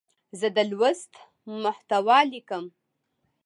زه د لوست محتوا لیکم.